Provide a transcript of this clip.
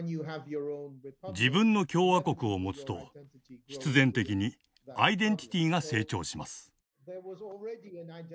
自分の共和国を持つと必然的にアイデンティティが成長します。